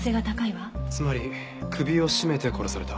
つまり首を絞めて殺された。